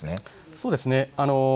そうですね。